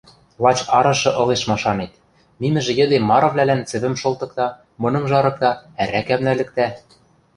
Лач арышы ылеш машанет, мимӹжӹ йӹде марывлӓлӓн цӹвӹм шолтыкта, мыным жарыкта, ӓрӓкӓм нӓлӹктӓ.